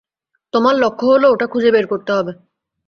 তোমার লক্ষ্য হলো ওটা খুঁজে বের করতে হবে।